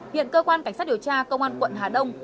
hiện cơ quan cảnh sát điều tra công an quận hà đông